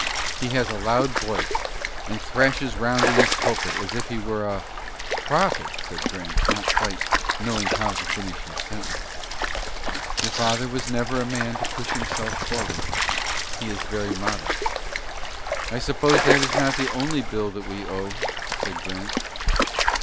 "He has a loud voice, and thrashes round in his pulpit, as if he were a prophet," said Grant, not quite knowing how to finish his sentence. "Your father never was a man to push himself forward. He is very modest." "I suppose that is not the only bill that we owe," said Grant.